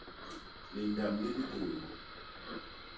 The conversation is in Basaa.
Lindam li bitôdô.